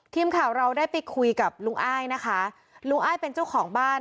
ทีมข่าวเราได้ไปคุยกับลุงอ้ายนะคะลุงอ้ายเป็นเจ้าของบ้าน